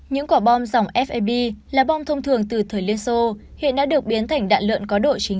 những quả bom dòng fib là bom thông thường từ thời liên xô hiện đã được biến thành đạn lợn có độ chính